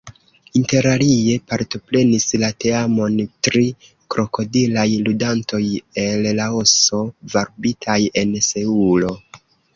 Interalie partoprenis la teamon tri krokodilaj ludantoj el Laoso, varbitaj en Seulo.